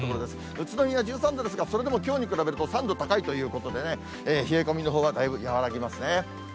宇都宮１３度ですが、それでもきょうに比べると３度高いということでね、冷え込みのほうはだいぶ和らぎますね。